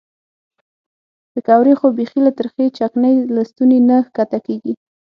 پیکورې خو بیخي له ترخې چکنۍ له ستوني نه ښکته کېږي.